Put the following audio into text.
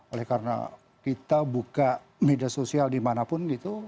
oleh karena kita buka media sosial dimanapun gitu